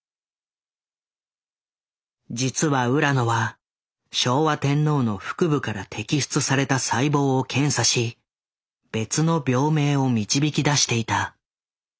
実は浦野は昭和天皇の腹部から摘出された細胞を検査し別の病名を導き出していた。